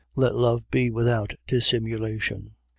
Let love be without dissimulation.